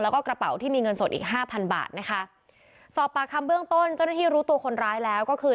แล้วก็กระเป๋าที่มีเงินสดอีกห้าพันบาทนะคะสอบปากคำเบื้องต้นเจ้าหน้าที่รู้ตัวคนร้ายแล้วก็คือ